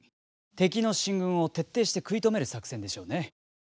敵の進軍を徹底して食い止める作戦でしょうね。